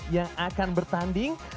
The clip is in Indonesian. yang akan bertanding